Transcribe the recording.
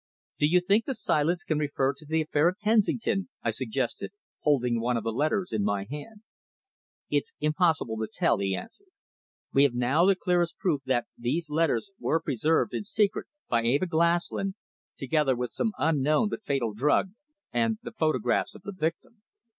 "Do you think the silence can refer to the affair at Kensington?" I suggested, holding one of the letters in my hand. "It's impossible to tell," he answered. "We have now the clearest proof that these letters were preserved in secret by Eva Glaslyn, together with some unknown but fatal drug, and the photographs of the victim.